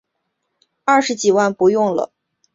二十几万不用了